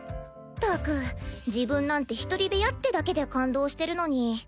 ったく自分なんて１人部屋ってだけで感動してるのに。